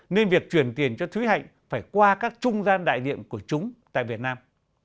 nên việc chuyển tiền cho thúy hạnh phải qua các trung gian đại niệm của chúng tại việt nam